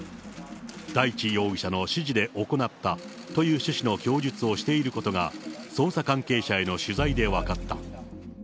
大地容疑者の指示で行ったという趣旨の供述をしていることが、捜査関係者への取材で分かった。